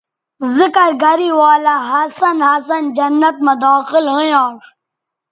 ذکر گرے ولہ ہسن ہسن جنت مہ داخل ھویانݜ